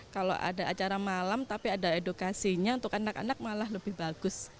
kalau ada acara malam tapi ada edukasinya untuk anak anak malah lebih bagus